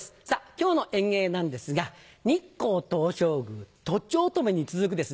今日の演芸なんですが日光東照宮とちおとめに続くですね